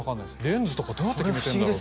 レンズとかどうやって決めてんだろう？